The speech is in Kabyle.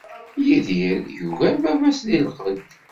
Yidir yugar baba-s di lqedd.